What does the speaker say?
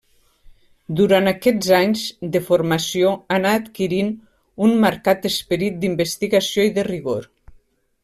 Durant aquests anys de formació anà adquirint un marcat esperit d'investigació i de rigor.